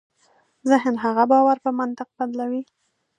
ذهن هغه باور په منطق بدلوي.